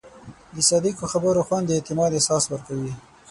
د صادقو خبرو خوند د اعتماد احساس ورکوي.